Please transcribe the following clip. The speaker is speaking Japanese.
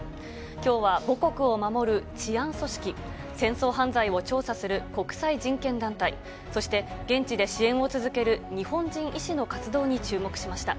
きょうは母国を守る治安組織、戦争犯罪を調査する国際人権団体、そして現地で支援を続ける日本人医師の活動に注目しました。